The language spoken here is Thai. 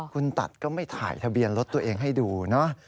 คุณตัดก็ไม่ถ่ายทะเบียนรถตัวเองให้ดูนะ